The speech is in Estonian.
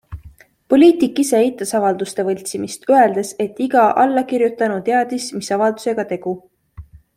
Poliitik ise eitas avalduste võltsimist, öeldes, et iga allakirjutanu teadis, mis avaldusega tegu.